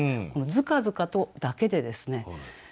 この「づかづかと」だけでですね